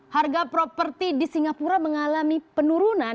harga properti di singapura mengalami penurunan